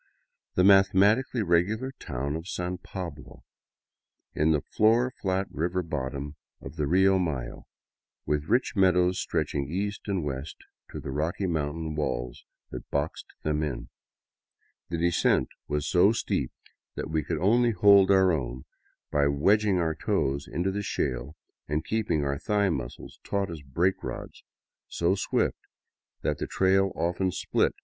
the mathematically regular town of San Pablo, in the floor flat river bottom of the Rio Mayo, with rich meadows stretching east and west to the rocky mountain walls that boxed them in. The descent was so steep that we could only hold our own by wedging our toes into the shale and keeping our thigh muscles taut as brake rods; so swift that the trail often split to bits from its 100 A typical Indian hut on the outskirts of Bogotd ■ilLEiU.